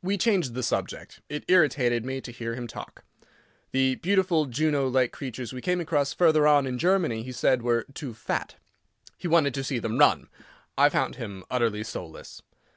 We changed the subject; it irritated me to hear him talk. The beautiful Juno like creatures we came across further on in Germany, he said were too fat. He wanted to see them run. I found him utterly soulless.